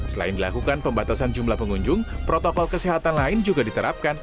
selain dilakukan pembatasan jumlah pengunjung protokol kesehatan lain juga diterapkan